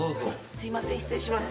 すいません失礼します。